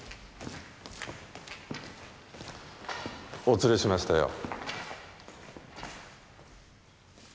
お連れしましたよ。